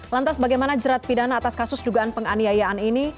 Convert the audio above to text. lantas bagaimana jerat pidana atas kasus dugaan penganiayaan ini